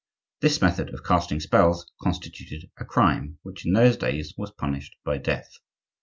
This method of casting spells constituted a crime, which, in those days, was punished by death.